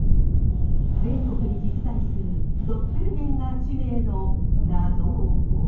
全国に実在するドッペルゲンガー地名の謎を追う。